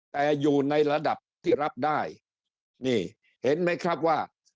แต่อยู่ในระดับที่รับได้นี่เห็นไหมครับว่า